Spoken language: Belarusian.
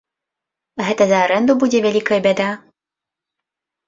Гэта за арэнду будзе вялікая бяда?